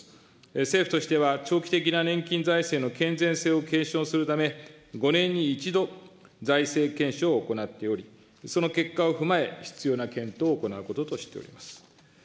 政府としては、長期的な年金財政の健全性を継承するため、５年に１度、財政検証を行っており、その結果を踏まえ、必要な検討を行うこととしております。